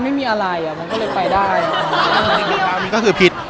ไม่ไปกับเพื่อนหรือไปสองคน